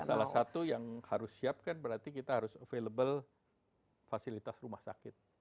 salah satu yang harus siapkan berarti kita harus available fasilitas rumah sakit